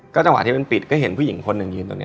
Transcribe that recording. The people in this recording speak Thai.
จังหวะที่มันปิดก็เห็นผู้หญิงคนหนึ่งยืนตรงนี้